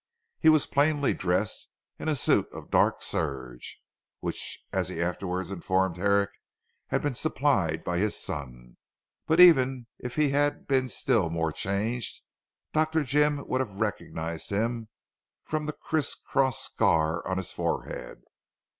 He was plainly dressed in a suit of black serge, which as he afterwards informed Herrick had been supplied by his son. But even if he had been still more changed Dr. Jim would have recognised him from the cries cross scar on his forehead.